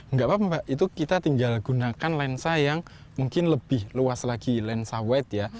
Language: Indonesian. nggak apa apa mbak itu kita tinggal gunakan lensa yang mungkin lebih luas lagi lensawit ya